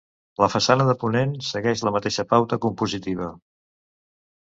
La façana de ponent segueix la mateixa pauta compositiva.